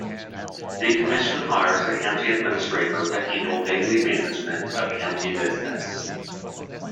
The commission hires a County Administrator to handle daily management of county business.